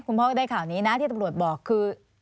คุณพ่อก็ได้ข่าวนี้นะที่ตำรวจบอกคือ